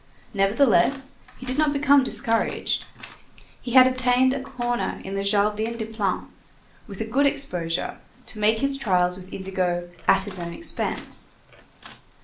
Nevertheless, he did not become discouraged. He had obtained a corner in the Jardin des Plantes, with a good exposure, to make his trials with indigo "at his own expense."